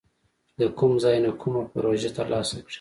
چې د کوم ځای نه کومه پروژه تر لاسه کړي